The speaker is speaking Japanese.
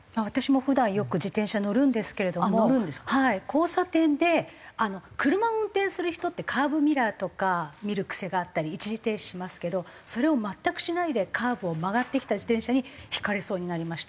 交差点で車を運転する人ってカーブミラーとか見る癖があったり一時停止しますけどそれを全くしないでカーブを曲がってきた自転車にひかれそうになりました。